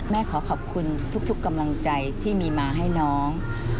ขอขอบคุณทุกกำลังใจที่มีมาให้น้อง